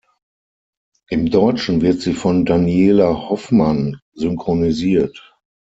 Im Deutschen wird sie von Daniela Hoffmann synchronisiert.